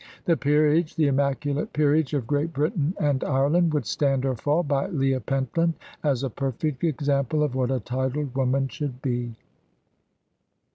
The peerage the immaculate peerage of Great Britain and Ireland would stand or fall by Leah Pentland, as a perfect example of what a titled woman should be.